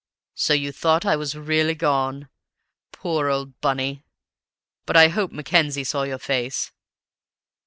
So you thought I was really gone? Poor old Bunny! But I hope Mackenzie saw your face?"